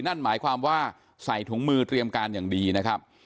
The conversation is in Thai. นั่นหมายความว่าใส่ถุงมือเตรียมการอย่างดีนะครับ